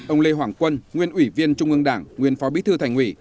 ông lê hoàng quân nguyên ủy viên trung ương đảng nguyên phó bí thư thành ủy